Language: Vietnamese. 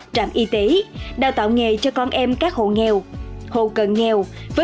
trạm y tế đào tạo nghề cho con em các hồ nghèo